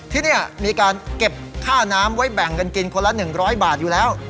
ที่นี่มีการเก็บค่าน้ำไว้แบ่งกันกินคนละ๑๐๐บาทอยู่แล้ว